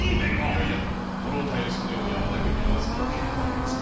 ご老体をそのように危ない目に遭わせるわけには参りません。